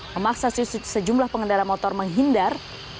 memaksa sejumlah pengendara motor menghindar